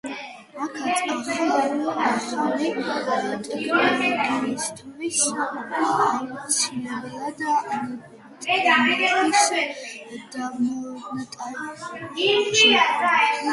აქაც ახალ, ახალი ტექნოლოგიისთვის აუცილებელი ანტენების დამონტაჟებას აპროტესტებდნენ.